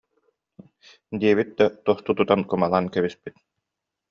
диэбит да, тосту тутан кумалаан кэбиспит